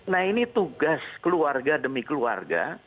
nah ini tugas keluarga demi keluarga